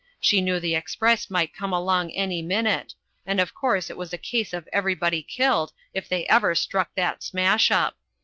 She knew the express might come along any minute, and of course it was a case of everybody killed if they ever struck that smash up.